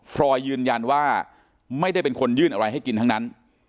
รอยยืนยันว่าไม่ได้เป็นคนยื่นอะไรให้กินทั้งนั้น